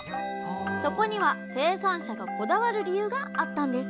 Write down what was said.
そこには生産者がこだわる理由があったんです